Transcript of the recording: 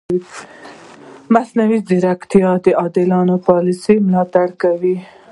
مصنوعي ځیرکتیا د عادلانه پالیسي ملاتړ کوي.